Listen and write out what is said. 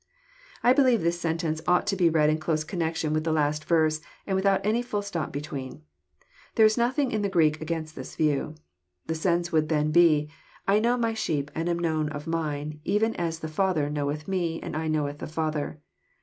] I believe this sentence ought to be read in close connection with the last verse, and without any fliU stop between. There is nothing in the Greek against this view. The sense would then be, "I know my sheep and am known of mine, even as the Father knoweth Me and I know the Father."